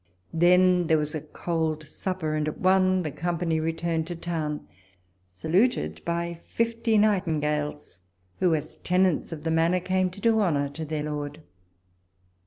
Then there was a cold supper, and at one tiie company returned to town, saluted by fifty nightingales, who, as tenants of the manor, came to do honour to their lord.